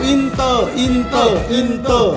อินเตอร์อินเตอร์อินโต้